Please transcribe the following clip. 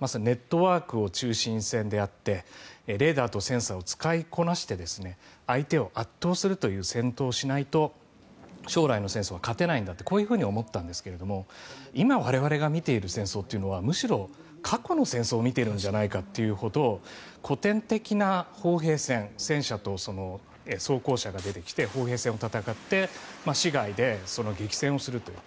まさにネットワークを中心戦であってレーダーとセンサーを使いこなして相手を圧倒するという戦闘をしないと将来の戦争は勝てないんだとこう思ったんですが今、我々が見ている戦争はむしろ過去の戦争を見ているんじゃないかというほど古典的な砲兵戦戦車と装甲車が出てきて砲兵戦を戦って市街で激戦をするという。